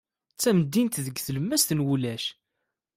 D tamdint deg tlemmast n wulac.